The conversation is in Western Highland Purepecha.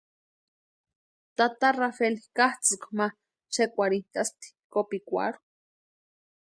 Tata Rafeli katsʼïkwa ma xekwarhintʼaspti kopikwarhu.